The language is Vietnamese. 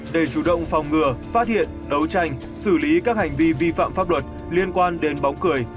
để chủ động phòng ngừa phát hiện đấu tranh xử lý các hành vi vi phạm pháp luật liên quan đến bóng cười